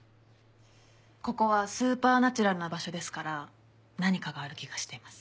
ここはスーパーナチュラルな場所ですから何かがある気がしています。